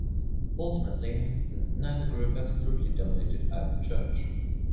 Ultimately, neither group absolutely dominated either church.